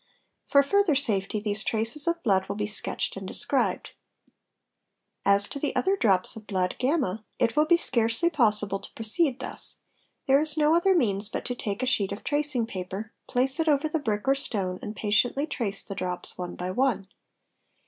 For further safety these traces of blood will be sketched and described. As to the other drops of blood y, it will be scarcely possible to proceed thus, there is no other means but to take a sheet of tracing paper, place it over the brick or stone and patiently trace the drops one by one.